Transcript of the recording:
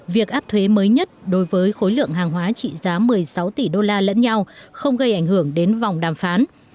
việc áp thuế mới nhất đối với khối lượng hàng hóa trị giá một mươi sáu tỷ đô la lẫn nhau không gây ảnh hưởng đến vòng đàm phán